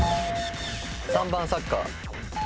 ３番サッカー。